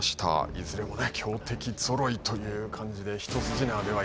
いずれもね強敵ぞろいという感じで一筋縄ではいかなさそうです。